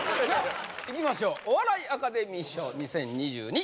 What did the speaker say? いきましょうお笑いアカデミー賞２０２２